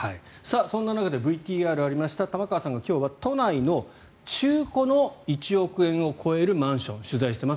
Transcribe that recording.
そんな中でＶＴＲにありました玉川さんが今日は、都内の中古の１億円を超えるマンションを取材しています。